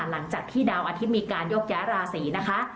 หลังจากที่ดาวอาทิตย์มีการยกย้ายราศีนะคะ